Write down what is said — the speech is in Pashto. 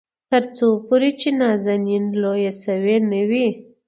تر څو پورې چې نازنين لويه شوې نه وي.